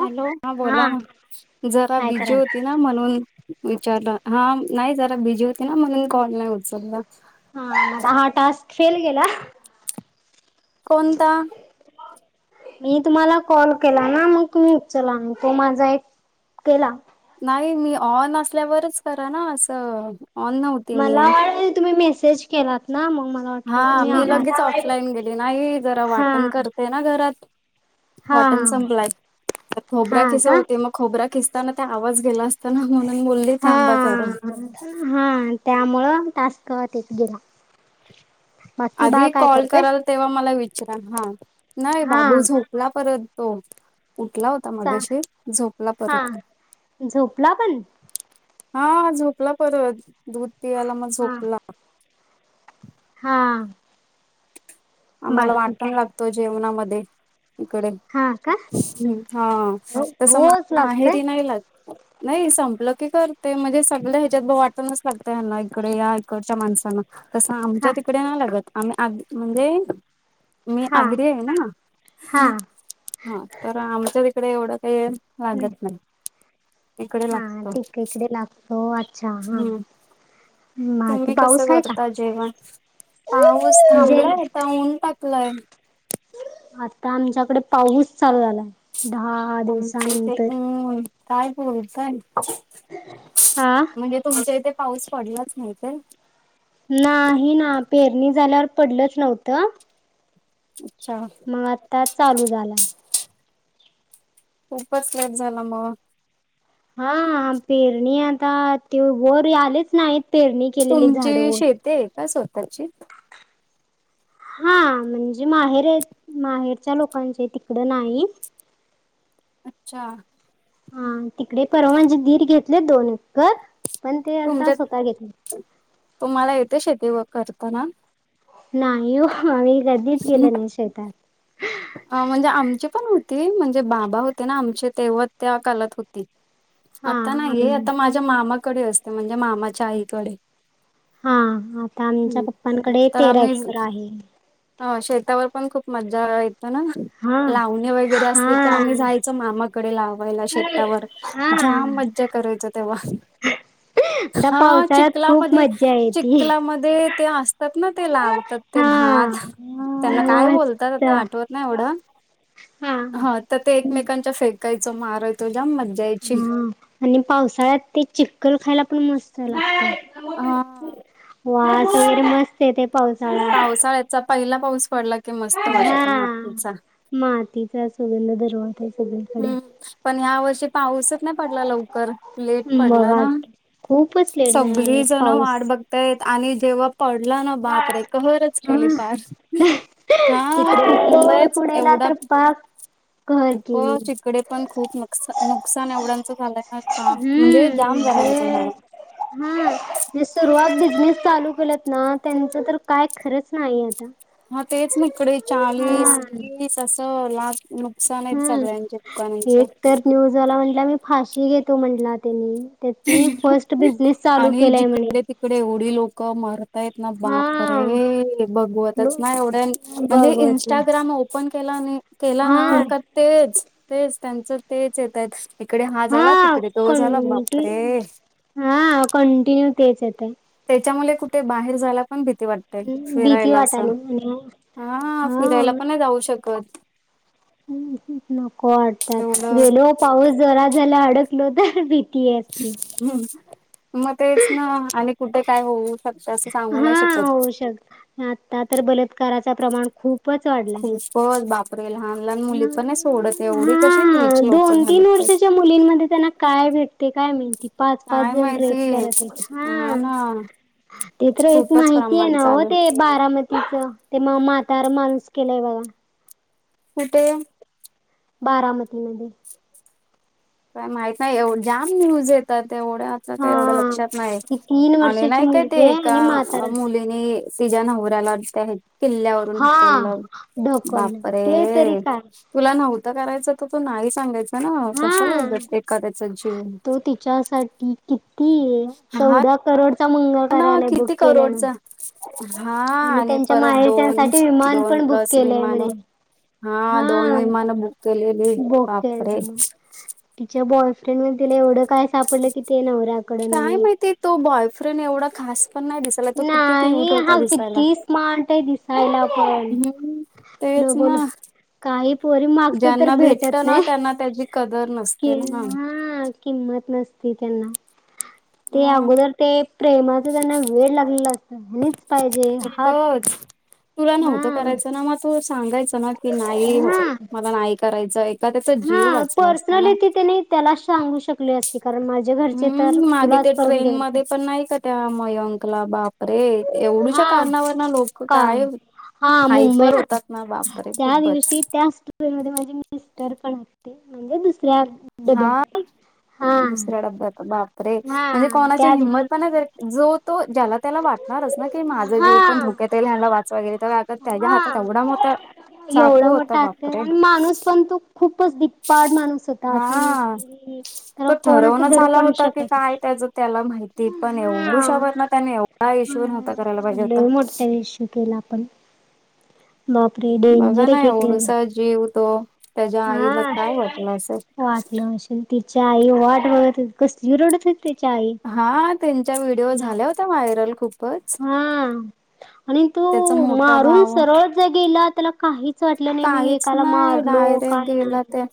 Hello हा बोला, जरा काय बीजी कराल होती ना म्हणून विचारलं हा नाही जरा बिझी होते ना म्हणून कॉल नाही उचलला. हा माझा हा टास्क फेल गेला. कोणता? मी तुम्हाला कॉल केला ना मग तुम्ही उचला नाही तो माझा एक गेला. नाही मी ऑन असल्यावरच करा ना असं ऑन नव्ह मला वाठेल तुम्ही मेसेज केलात ना मग मा हा मी लगेच ऑफलाईन गेले नाही जरा हा वाटण करतेय ना घरात. हा वाटण संपलाय. तर खोबऱ्या हा खिसत का होती मग खोबऱ्या खिसताना त्या आवाज गेला असत ना म्हणून बोली थांबा हा जरा. हा त्यामुळं टास्क [unintelligible] गेला. बाकी बाळ आधी काय कॉल करतय? कराल तेव्हा मला विचारा हा, नाही हा बाबू झोपला परत तो. उठला होता चा मगशी झोपला हा परत. झोपला पण हा झोपला परत दूध पियला म हा झोपला. हा. आम्हाला बाकी वाटण काय लागत जेवणामध्ये, इकडे हा का हम् हा तस रोज लागतय माहेरी नाही लागत. नाही संपलं की करते म्हणजे सगळ ह्याच्यात ब वाटणच लागतं हना इकडे या इकडच्या माणसांना. तसं आमच्या हा तिकडे नाही लागत आम्ही [unintelligible] म्हणजे मी हा आग्री हाय ना, ह, हा ह तर आमच्या तिकडे एवढं काही लागत नाय. इकडे हा लागत, तिक इकडे लागतो अच्छा हा हम्म. बाकी तुम्ही कसं पाऊस आहे का करता जेवण, पाऊस म्हणजे थांबलाय आता. ऊन टाकलय. आता आमच्याकडे पाऊस चालू झालाय, दहा [unintelligible] दिवसानंतर ऊन काय बोलताय. हा. म्हणजे तुमच्या इथे पाऊस पडलाच नाही काय? नाही ना पेरणी झाल्यावर पडलंच नव्हतं. अच्छा. म आता चालू झाला. खूपच लेट झाला मग. हा. पेरणी आता, ते वर आलेच नाहीत. पेरणी केलेली झाड तुमची वर शेती हाय का स्वतःची. हा म्हणजे माहेर आहेत माहेरच्या लोकांचे तिकड नाही. अच्छा. हा तिकडे परवा म्हणजे दीर घेतले दोन एकर, पण ते आता तुमच्यात स्वतः घेतले. तुम्हाला येते शेती व करताना? नाही हो. मी कधीच गेले नाही शेतात. अ म्हणजे आमची पण होती. म्हणजे बाबा होते ना आमचे तेव्हा त्या कालात होती. हा आता नाहीए. आम्ही आता माझ्या मामाकडे असते. म्हणजे मामाच्या आईकडे. हा. आता आमच्या पप्पांकडे तेरा एकर आहे. हां. शेतावर पण खूप मज्जा येते ना? हा लावणी वगैरे असली का? हा आम्ही जायचो मामाकडे लावायला शेतावर. हा जाम मज्जा करायचो तेव्हा. आता हा. पावसाळ्यात खूप चिखलामध्ये- मज्जा येती चिखलामध्ये ते असतात ना ते? लावतात ते भात- [unintelligible] त्यांना काय बोलतात मस्त आता हा आठवत नाही एवढं. हा हं. तर ते एकमेकांच्या फेक- यच मारायचो. जाम म - हा आणि पावसाळ्यात ते चिखल खायला पण मस्त हा. लागत. वास वगैरे मस्त येतय पावसाळ्यात. पावसाळ्याचा पहिला पाऊस पडला की मस्त वास येतो हा मातीचा. मातीचा सुगंध दरवळतोय सगळीकडे. हम्म. पण ह्या वर्षी पाऊसच नाही पडला लवकर. लेट पडला मग ना? खूपच लेट झाला सगळी यावेळेस जण पाऊस वाट बघतायेत आणि जेव्हा- पडला ना बापरे कहरच हा केला पार. हा. तिकडे मुंबई खूपच पुण्याला एवढा- तर पाक कहर ह प केली तिकडे पण खूप नकसा नुकसान एवढ्यांच झालंय ना? म्हणजे हम्म जाम जे [unintelligible] हा. सुरुवात बिझनेस चालू केलात ना? त्यांचं तर काय खरंच नाही आता. हा तेच न इकडे चाळीस, हा वीस असं लाखक- हम्म. एक तर न्यूजवाला म्हटला मी- फाशी घेतो म्हटला त्यांनी. त्यातनी फर्स्ट बिझनेस चालू केलाय म्हणे. इकडे एवढी लोक मरतायेत ना बाप हा रे! हॅलो बघवतच नाही एवढ्या- म्हणजे भागवत इंस्टाग्राम ओपन केला, केला हा ना? तेच. तेच त्यांचं तेच येत आहेत इकडे हा झाला तिकडे तो झाला बा- हा. कंटिन्यू तेच येतय. त्याच्यामुळे कुठे बाहेर जायला पण भीती वाटते. भीती फिरायला असं. वाटाली आणि हा. फिरायला पण नाही जाऊ शकत. नको वाटत आता. एवढं गेलो पाऊस जरा झाला अडकलो तर भी - जले असते. हम्. मग तेच ना आणि कुठे काय होऊ- [unintelligible] हा शकत होऊ शकत. आता तर बलात्काराच प्रमाण खूप- खूपच बापरे! लहान लहान मुली पण नाही सोडत. एवढी कशी हा निच लोक दोन तीन झालीत. वर्षाच्या मुलींमध्ये त्यांना काय भेटते काय माहिती. पाच पाच काय जण माहिती रेप करत आहेत. हा. ते तर एक खूपच माहिती आहे प्रमाण ना हो? चालू ते बारामती - तिचं ते मग म्हातार माणूस केलाय बघ. कुठ? बारामतीमध्ये. काय माहित नाही एवढ. जाम न्यूज येतात एवढ्या. काही एवढ हा लक्षात नाही. ती तीन आणि वर्षाची नाही काय ते मुलगी आहे एका आणि म्हातारा मुली- हेनी सिज्या नवऱ्याला आता हे किल्ल्यावरून हा ढकललं, ढकललं ते तरी बापरे! काय तुला नव्हतं करायचं तर तू नाही सांगायचं ना, कशाला हा उगच एखाद्याच तो तिच्यासाठी किती हा चौदा करोड चा मंगल ना कार्यालय बुक किती केलाय [unintelligible] करोडचा हा आणि त्यांच्या परत दोन माहेरच्यांसाठी विमान दोन पण बुक प्लस केलंय विमानं म्हणे हा दोन विमान बुक केलेली बोक केलता बापरे म्हण तिच्या बॉयफ्रेंड मध्ये तिला एवढं काय सापडलं कि ते नवऱ्याकड काय नहीआय माहिती तो बॉयफ्रेंड एवढा खास पण नाही दिस नाही हा स्मार्ट आय दिस सायला पण हम्म तेच नको ना काही पोरी मागत्या तर ज्यांना भेटत ना नई त्यांना त्याची कदर की नसते ना हा किंमत नसती त्यांना ते म. अगोदर ते प्रेमाच त्यांना वेळ लागलेल असत, हेनीच पाहिजे हा [unintelligible] तुला नव्हतं करायचं ना, मग तू सांगायचं ना की नाही हा मला नाही करायचाय हा पर्सनली ती कनी त्याला सांगू शकली असती कारण माझ हम्म मागे ते ट्रेन मध्ये पण नाही का त्या मयंकला बाप रे एवढूच्या हा कारणावरन लोक का काय हा मुंबई हायपर होतात ना बापरे त्या खूपच दिवशी त्याच ट्रेनमध्ये माझे मिस्टर पण होते म्हणजे दुसऱ्या [unintelligible] हा हा दुसऱ्या डब्यात बाप रे! हा म्हणजे कोणाची त्या हिंमत [unintelligible] जोत तो ज्याला त्याला वाटणारच ना की माझं जीव हा पण धोक्यातये, ह्यांनला वाचवाय गेलं तर [unintelligible] त्याच्या हा हातात एवढा मोठा एवढा चाकू होता, मोठा अक्षर बापरे! आणि माणूस पण तो खूपच धिप्पाड माणूस होता असं नाही हा. की त्याला तो कोण असं ठरवूणच धरू आला पण होता की शकत काय त्याच त्याला माहिती, पण हा एवढुषा वरण पण एवढा इशू नव्हता करायला पाहिजे होता. इशू केला. पण बापरे! बघा डेंजर ना एक एक वेळेला एवढूसा जीव तो त्याज्या आईला काय वाटलं असल [unintelligible] तिच्या आई वाट बघत कसली रडत हू तिच्या आई हा त्यांच्या व्हिडिओ झाला होता व्हायरल खूपच हा आणि तू त्याचा मोठा मारून भाऊ सरळ ज गेला त्याला काही काहीच नाही, डायरेक काय गेला नाही त्यो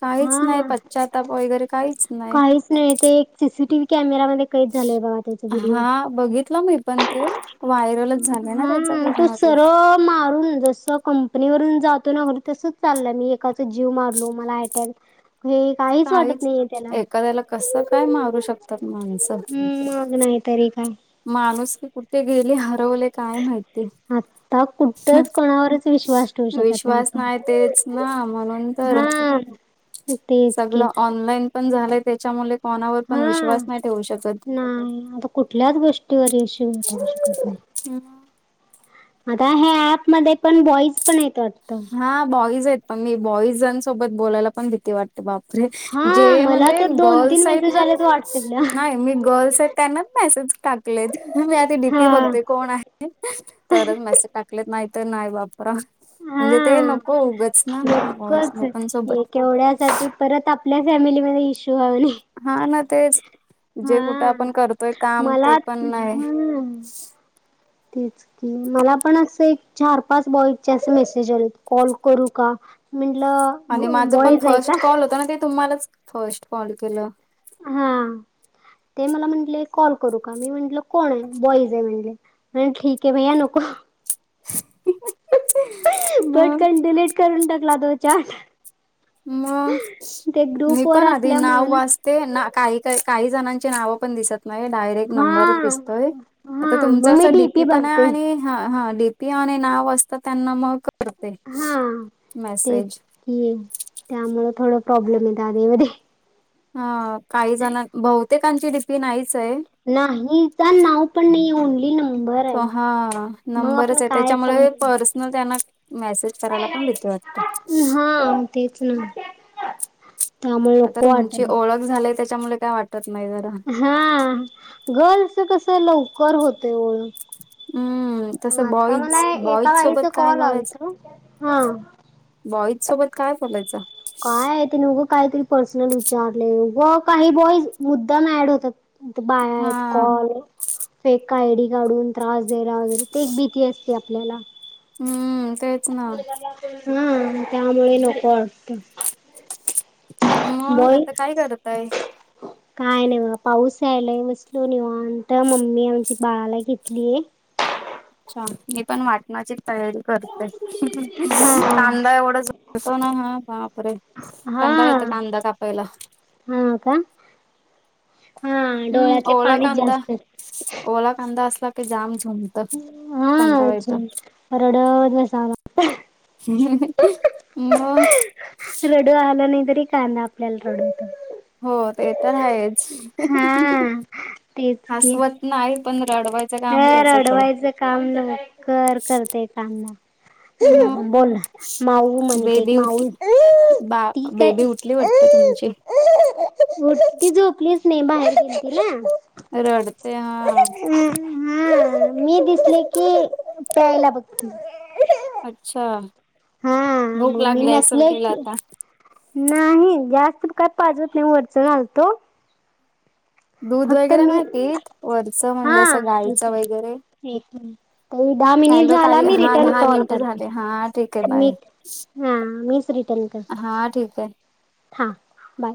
काहीच नाही हा पच्या ताप वगैरे काहीच नाही. काहीच नाही ते एक सीसीटीव्ही कॅमेरामध्ये कैद झालंय बघा त्याचा व्हिडिओ हा बघितलं मी पण ते व्हायरलच झाल ना त्याच हा तो पूर्ण ते सरळ मारून जस कंपनी वरून जातो ना [unintelligible] तसच चालला, मी एकाचा जीव मारलो मला अटॅक हे काहीच वाटत नाहीये त्याला, एखाद्याला कसं काय मारू शकतात माणसं? हम्म् मग नाही. तरी काय माणूस की कुठे गेले हरवले काय माहिती आता कुठच कोणावरच विश्वास ठेवू शकत नाही विश्वास तेच ना म्हणून आपण तर हा इ तजक सगळं ऑनलाईन पण झालंय त्याच्यामुळे कोणावर पण विश्वास नाही ठेवू शकत नाही आता कुठल्याच गोष्टीवर इशू [unintelligible] हम्. आता ह्या ऍप मध्ये पण बॉईज पण येत वाटतं. हा बॉईज आहेत पण मी बॉईजांसोबत बोलायला पण भीती वाटते बापरे जे म्हणजे गर्ल्स आहेत ना पाच चिगल्या नाही मी गर्ल्स आहेत त्यांनाच मेसेज टाकलेत मी आधी डीपी हा बघते कोण आहे तरच मेसेज टाकलेत नाही तर नाही वापरा म्हणजे ते हा नको उगंच ना बॉईज लोकांसोबत कस आहे की परत आपल्या फॅमिलीमध्ये इशू होऊ नये हा ना तेच. हा जे कुठे आपण करतोय काम मला ते पण नाही. हम् तीच मला पण अस एक चार पाच बॉइज चे असे मेसेज आलेत कॉल करू का म्हंटलं बॉइज आहे का कारण ते तुम्हालाच फर्स्ट कॉल केलं हा ते मला म्हटले कॉल करू का मी म्हंटल कोण आहे बॉईज आहे म्हणले म्हण ठीक आहे भैया नको मग पटकन डिलीट करून टाकला तो चाट मग ते मी ग्रुप वर पण आधी असल्यामुळे नाव ना वाच ते आहे ना काही काय काही जणांची नाव पण दिसत नाही डायरेक्ट नंबर हा दिसतोय आता हा मग तुमचं मी असं डी पी डीपी पण आहे बघते आणि हा हा डीपी आणि नाव असत त्यांना मग करते मेसेज ये त्यामुंळ थोडं प्रॉब्लेम आहे दादा येउदे हा काही जण बहुतेकांची डी पी नाहीच आहे नाहीच हा नाव पण नाही ओनली नंबर तो आहे हा मग आपण नंबरच आहे काय सांग त्याच्यामुळे पर्सनल त्यांना मेसेज करायला पण भीती वाट हा तेच ना त्यामुळे नको वाट की ओळख झालीय त्याच्यामुळे काय वाटत नाही जरा हा गर्ल्सच कस लवकर होतय हम्म ओळख तसं आता मला बॉईज एका बॉईज सोबत बाईचा काय कॉल बोलायचं आलता हा बॉईज सोबत काय बोलायचं काय आहे ते नघं काहीतरी पर्सनल विचारले गं काही बॉई मुद्दाम ऍड होतात बाय हा आहेत कॉल फेक आयडी काढून त्रास द्यायला वगैरे ते एक भीती असते ते आपल्याला हम्म ते हा त्यामुळे नको असत मग आता काय करत आहे काय नाही बा पाऊस यायलाय बसलो निंत मम्मी आमची बाळाला घेतलीय अच्छा मी पण वाटणारचे तयारी करते हा कांदा एवढाच भतो ना हा बाप रे हा कंडाळ येत कांदा कापायला हा का हा हम्म डोळ्यातले ओला पाणीच कांदा जास्त ओला कांदा असला की जाम झोंब हा अजून रडवर नसावा म रडू आल नाही तरी कांदा आपल्याला रडवतो हो ते तर आहेच हा तेच की हसवत नाही पण रडवायच हे रडवायचं काम न कर करते काम न मग बोल ना माऊ म्हणित एक बेबी माऊ ती काय कसली वाटते तुमची उठी झोपलीच नाही बाहेर गे त ना रडते हा हा मी दिसले की प्यायला बघतो अच्छा हा भूक मग मी लागली सल नसले केला की आता नाही जास्त काय पाजवत नाही वरचलतो दूध वगैरे मी नाहीकीत वरचं म्हणजे असं गायचं वगैरे क त दहा मिनिट हॅलो झाला ताई मी हा रिटर्न दहा कॉल मिनिटं झाले हा ठीक आहे करते मी बाय हा मीच रिटन कर हा ठीक आहे हा बाय